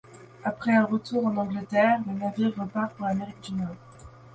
Après un retour en Angleterre, le navire repart pour l'Amérique du Nord.